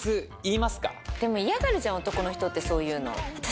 でも嫌がるじゃん男の人ってそういうの。